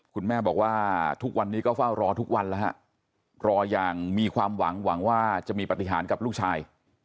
คุณแม่บอกว่าทุกวันนี้ก็เฝ้ารอทุกวันแล้วฮะรออย่างมีความหวังหวังว่าจะมีปฏิหารกับลูกชาย